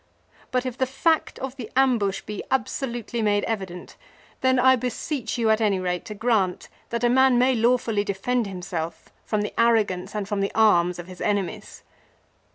But if the fact of the ambush be absolutely made evident, then I beseech you at any rate to grant that MILO. 81 a man may lawfully defend himself from the arrogance and from the arms of his enemies."